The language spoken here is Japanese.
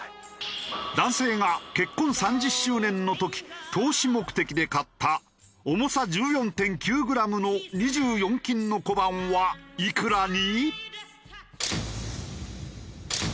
男性が結婚３０周年の時投資目的で買った重さ１４．９グラムの２４金の小判はいくらに？